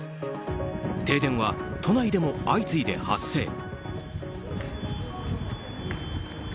停電は都内でも相次いで発生。